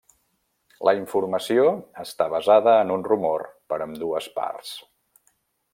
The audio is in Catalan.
La informació està basada en un rumor per ambdues parts.